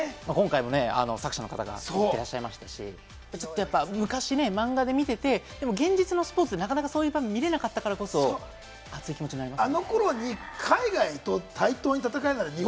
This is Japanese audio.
今回も作者の方が言ってらっしゃいましたし、昔マンガで見てて、現実のスポーツって、なかなかそう見られなかったからこそ、熱い気持ちになりますよね。